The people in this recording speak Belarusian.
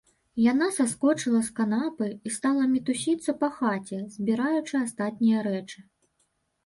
Яна саскочыла з канапы і стала мітусіцца па хаце, збіраючы астатнія рэчы.